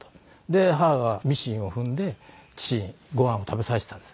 で母がミシンを踏んで父にご飯を食べさせてたんです。